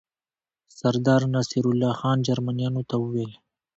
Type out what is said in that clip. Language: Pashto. سردار نصرالله خان جرمنیانو ته وویل.